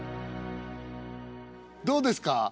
どうですか？